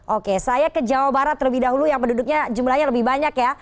oke saya ke jawa barat terlebih dahulu yang penduduknya jumlahnya lebih banyak ya